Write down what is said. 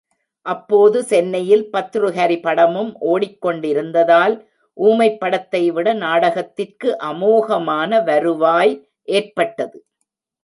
அப்போது சென்னையில் பர்த்ருஹரி படமும் ஒடிக்கொண்டிருந்ததால் ஊமைப் படத்தைவிட நாடகத்திற்கு அமோகமான வருவாய் ஏற்பட்டது.